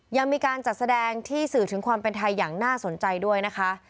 ยังมีการจัดแสดงที่สื่อถึงความเป็นไทยอย่างน่าสนใจด้วยนะคะ